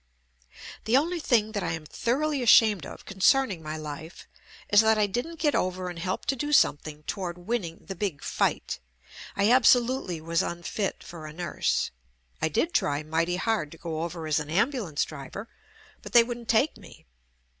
The only thing that I am thoroughly ashamed of concerning my life is that I didn't get over and help to do something toward win ning "the big fight." I absolutely was unfit for a nurse. I did try mighty hard to go over as an ambulance driver, but they wouldn't take me.